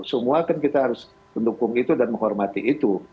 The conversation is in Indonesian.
semua kan kita harus mendukung itu dan menghormati itu